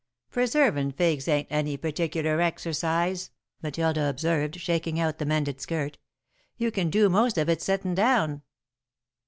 '" "Preservin' figs ain't any particular exercise," Matilda observed, shaking out the mended skirt. "You can do most of it settin' down."